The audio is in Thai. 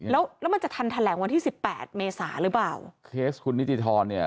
แล้วแล้วมันจะทันแถลงวันที่สิบแปดเมษาหรือเปล่าเคสคุณนิติธรเนี่ย